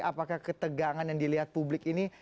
apakah ketegangan yang dilihat publik ini